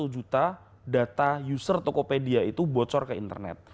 satu juta data user tokopedia itu bocor ke internet